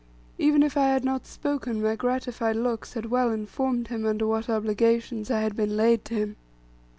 Even if I had not spoken, my gratified looks had well informed him, under what obligations I had been laid to him.